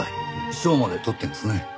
賞まで取ってるんですね。